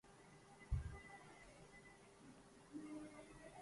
ظفر اقبال نے جس حُسن کو قامت لکھا